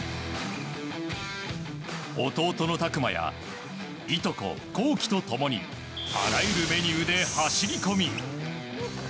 弟の拓真やいとこ、浩樹と共にあらゆるメニューで走り込み。